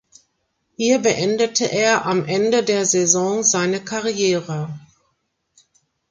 Hier beendete er am Ende der Saison seine Karriere.